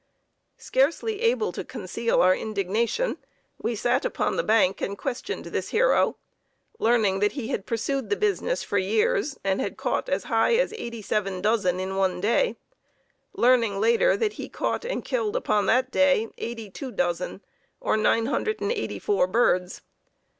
Scarcely able to conceal our indignation, we sat upon the bank and questioned this hero, learning that he had pursued the business for years, and had caught as high as 87 dozen in one day, learning later that he caught and killed upon that day, 82 dozen, or 984 birds.